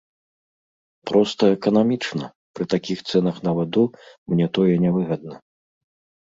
Проста эканамічна, пры такіх цэнах на ваду мне тое нявыгадна.